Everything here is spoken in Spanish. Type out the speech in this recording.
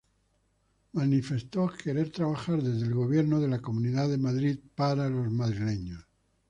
Manifestó querer trabajar desde el Gobierno de la Comunidad de Madrid para los madrileños.